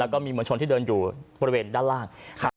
แล้วก็มีมวลชนที่เดินอยู่บริเวณด้านล่าง